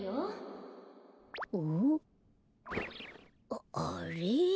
あっあれ？